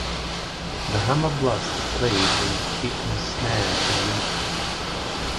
The hammer blast is played with the kick and snare in unison.